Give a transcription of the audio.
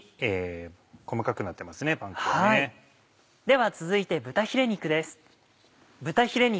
では続いて豚ヒレ肉です。